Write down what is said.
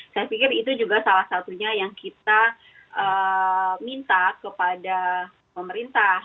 saya pikir itu juga salah satunya yang kita minta kepada pemerintah